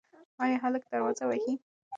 ایا هلک دروازه وهي؟